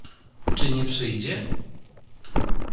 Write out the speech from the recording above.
Czy nie przyjdzie?